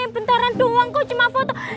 bentaran doang kok cuma foto